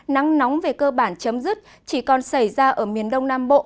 nắng nóng về cơ bản chấm dứt chỉ còn xảy ra ở miền đông nam bộ